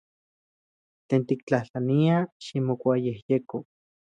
Tlen tiktlajtlania, ximokuayejyeko.